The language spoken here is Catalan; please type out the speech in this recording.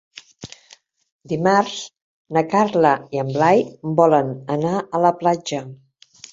Dimarts na Carla i en Blai volen anar a la platja.